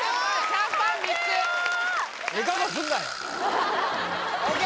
シャンパン３つＯＫ